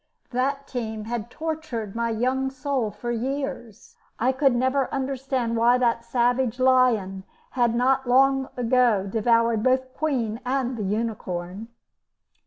That team had tortured my young soul for years. I could never understand why that savage lion had not long ago devoured both the Queen and the unicorn.